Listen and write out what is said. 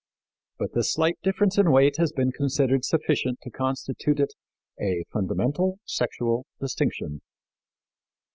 But this slight difference in weight has been considered sufficient to constitute it "a fundamental sexual distinction."